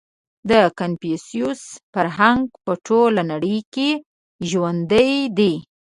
• د کنفوسیوس فرهنګ په ټوله نړۍ کې ژوندی دی.